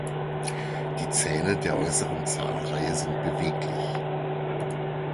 Die Zähne der äußeren Zahnreihe sind beweglich.